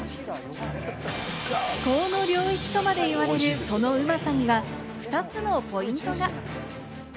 至高の領域とまで言われる、そのうまさには２つの極上ポイントが。